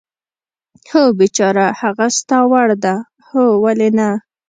هو، بېچاره، هغه ستا وړ ده؟ هو، ولې نه.